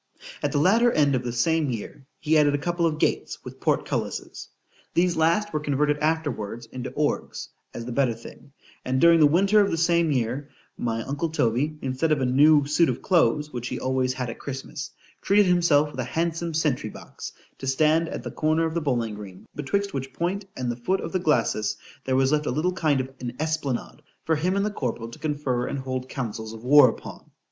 At the latter end of the same year he added a couple of gates with port cullises:——These last were converted afterwards into orgues, as the better thing; and during the winter of the same year, my uncle Toby, instead of a new suit of clothes, which he always had at Christmas, treated himself with a handsome sentry box, to stand at the corner of the bowling green, betwixt which point and the foot of the glacis, there was left a little kind of an esplanade for him and the corporal to confer and hold councils of war upon.